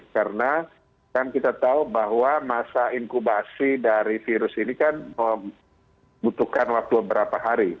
karena kan kita tahu bahwa masa inkubasi dari virus ini kan membutuhkan waktu beberapa hari